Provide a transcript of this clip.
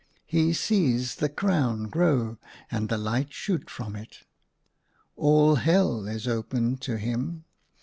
He sees the crown grow and the light shoot from it. All Hell is open to him.